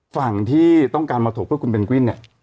ฝั่งที่ต้องการมาถกเพื่อคุณเบนกวินเนี่ย